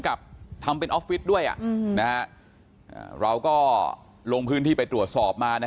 กับทำเป็นออฟฟิศด้วยเราก็ลงพื้นที่ไปตรวจสอบมานะ